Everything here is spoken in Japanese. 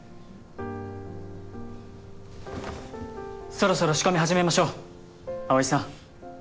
そろそろ仕込み始めましょう青井さん。